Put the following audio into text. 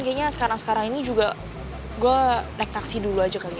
kayaknya sekarang sekarang ini juga gue naik taksi dulu aja kali